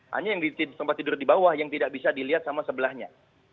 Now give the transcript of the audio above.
hanya yang di tempat tidur di bawah yang tidak bisa dilihat sama sebelahnya